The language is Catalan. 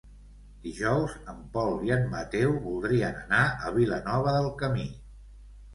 Dijous en Pol i en Mateu voldrien anar a Vilanova del Camí.